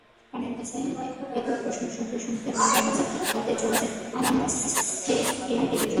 কানের কাছে একই প্রশ্ন শুনতে শুনতে ভাজা ভাজা দশা হতে চলেছে আমান্ডা সেফ্রায়েডের।